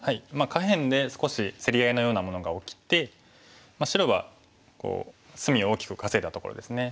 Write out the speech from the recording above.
下辺で少し競り合いのようなものが起きて白は隅を大きく稼いだところですね。